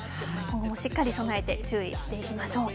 しっかり備えて注意をしていきましょう。